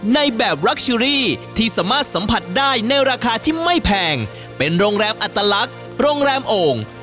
ในแบบรักเชอรี่ที่สามารถสัมผัสได้ในราคาที่ไม่แพงเป็นโรงแรมอัตลักษณ์โรงแรมโอ่ง